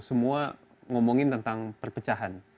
semua ngomongin tentang perpecahan